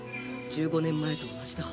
１５年前と同じだ。